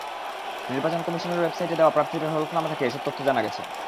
নির্বাচন কমিশনের ওয়েবসাইটে দেওয়া প্রার্থীদের হলফনামা থেকে এসব তথ্য জানা গেছে।